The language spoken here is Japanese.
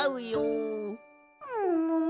ももも。